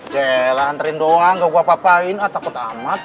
jelah anterin doang ga gua apa apain ah takut amat